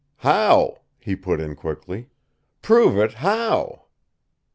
"How?" he put in quickly. "Prove it, how?"